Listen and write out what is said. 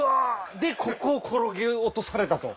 でここを転げ落とされたと。